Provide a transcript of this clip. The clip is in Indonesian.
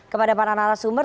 kepada para narasumber